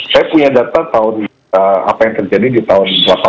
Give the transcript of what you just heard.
saya punya data tahun apa yang terjadi di indonesia